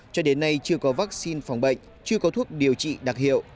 cho đến nay chưa có vaccine phòng bệnh chưa có thuốc điều trị đặc hiệu